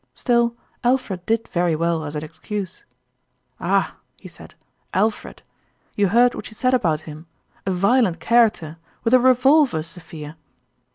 Still, Alfred did very well as an excuse. " Ah !" he said, " Alfred. You heard what she said about him ? A violent character with a revolver, Sophia